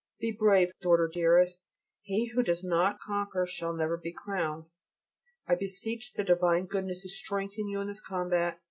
Be brave, daughter dearest, he who does not conquer shall never be crowned. I beseech the divine Goodness to strengthen you in this combat.